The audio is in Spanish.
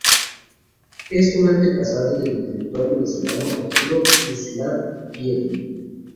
Es un antepasado del intelectual venezolano Arturo Uslar Pietri.